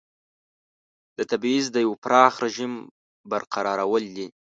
د تبعیض د یوه پراخ رژیم برقرارول دي.